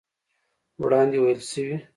وړاندې ويل شوي